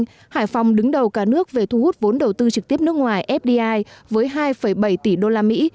trong năm hai nghìn một mươi bảy hải phòng đứng đầu cả nước về thu hút vốn đầu tư trực tiếp nước ngoài fdi với hai bảy tỷ đô la mỹ